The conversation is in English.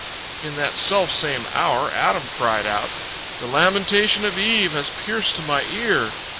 In that self same hour, Adam cried out: "The lamentation of Eve has pierced to my ear!